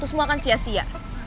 semua akan sia sia